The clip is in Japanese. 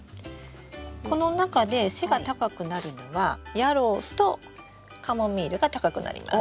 この中で背が高くなるのはヤロウとカモミールが高くなります。